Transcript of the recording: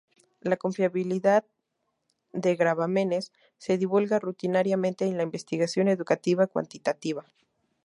La confiabilidad de gravámenes se divulga rutinariamente en la investigación educativa cuantitativa.